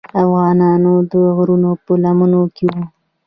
افغانان د غرونو په لمنو کې وو.